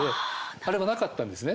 あれがなかったんですね